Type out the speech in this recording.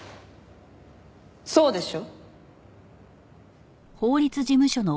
そうでしょ？